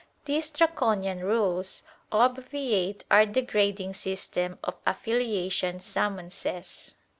These Draconian rules obviate our degrading system of affiliation summonses.